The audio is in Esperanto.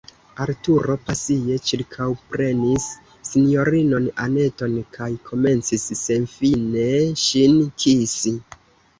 Arturo pasie ĉirkaŭprenis sinjorinon Anneton kaj komencis senfine ŝin kisi.